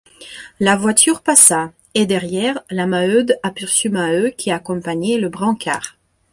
La voiture passa ; et, derrière, la Maheude aperçut Maheu qui accompagnait le brancard.